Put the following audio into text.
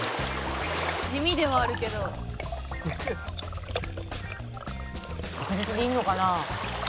「地味ではあるけど」「確実にいるのかな？」